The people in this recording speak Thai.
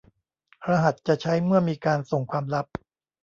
รหัสจะใช้เมื่อมีการส่งความลับ